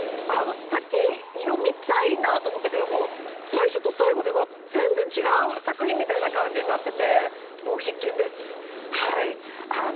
先を読みたいなと思ったけど、最初と最後では全然違う作品みたいになっていて、もう必見です。